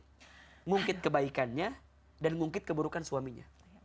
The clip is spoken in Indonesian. mengungkit kebaikannya dan mengungkit keburukan suaminya